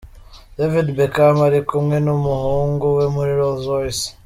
David Beckham ari kumwe n'umuhungu we muri Rolls-Royce.